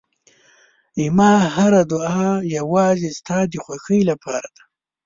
زما هره دعا یوازې ستا د خوښۍ لپاره ده.